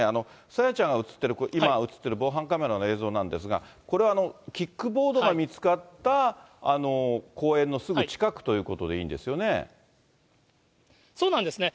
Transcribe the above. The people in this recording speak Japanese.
朝芽ちゃんが写っている、今写っている防犯カメラの映像なんですが、これはキックボードが見つかった公園のすぐ近くということでいいそうなんですね。